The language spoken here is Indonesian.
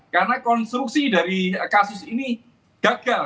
karena konstruksi dari kasus ini gagal